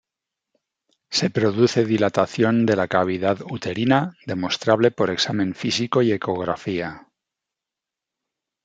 Se produce dilatación de la cavidad uterina, demostrable por examen físico y ecografía.